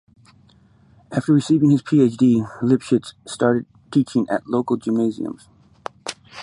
After receiving his PhD, Lipschitz started teaching at local Gymnasiums.